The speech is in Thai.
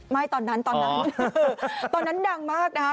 ไม่ตอนนั้นตอนนั้นดังมากนะครับ